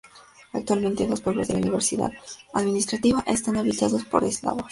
Actualmente dos pueblos de la unidad administrativa están habitados por eslavos.